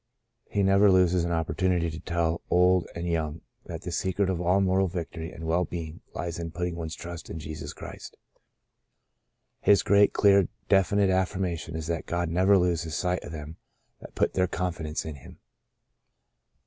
He never loses an opportunity to tell old and young that the secret of all moral victory and well being lies in putting one's trust in Jesus Christ. His great, clear, definite affirmation is that God never loses sight of them that put their confidence in Him.